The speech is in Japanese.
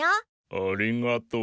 ありがとう。